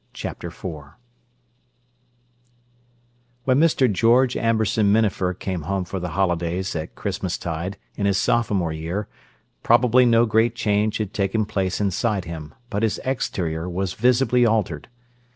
Chapter IV When Mr. George Amberson Minafer came home for the holidays at Christmastide, in his sophomore year, probably no great change had taken place inside him, but his exterior was visibly altered.